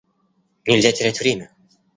Нельзя терять время.